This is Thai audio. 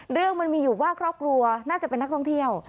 เรื่องมันมีอยู่ว่าครอบครัวน่าจะเป็นนักท่องเที่ยว